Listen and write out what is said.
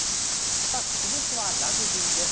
続いてはラグビーです。